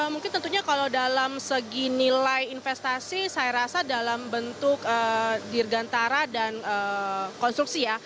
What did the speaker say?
mungkin tentunya kalau dalam segi nilai investasi saya rasa dalam bentuk dirgantara dan konstruksi ya